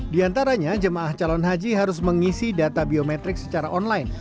di antaranya jemaah calon haji harus mengisi data biometrik secara online